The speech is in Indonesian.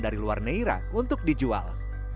dari luar neira untuk dijual